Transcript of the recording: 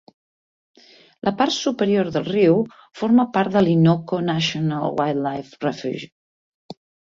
La part superior del riu forma part de l'Innoko National Wildlife Refuge.